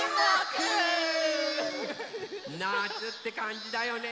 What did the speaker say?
なつ！ってかんじだよね。